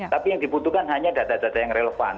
tapi yang dibutuhkan hanya data data yang relevan